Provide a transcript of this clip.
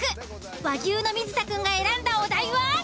和牛の水田くんが選んだお題は？